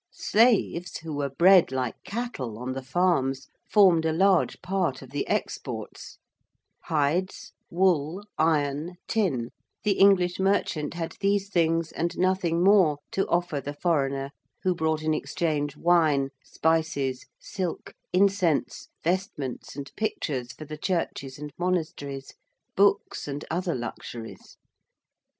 Slaves, who were bred like cattle on the farms, formed a large part of the exports; hides, wool, iron, tin, the English merchant had these things, and nothing more, to offer the foreigner who brought in exchange wine, spices, silk, incense, vestments and pictures for the churches and monasteries, books, and other luxuries.